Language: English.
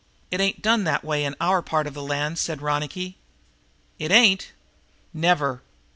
It ain't done that way in our part of the land," said Ronicky. "It ain't?" "Never!"